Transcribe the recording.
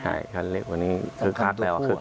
ใช่เขาเรียกว่านี้คือคลักแล้ว